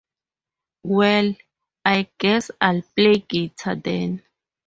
Well I guess I'll play guitar then.